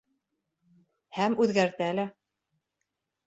Һәм үҙгәртә лә.